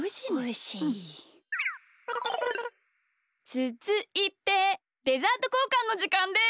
つづいてデザートこうかんのじかんです！